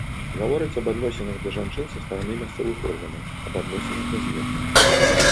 Гавораць аб адносінах да жанчын са стараны мясцовых органаў, аб адносінах да з'езда.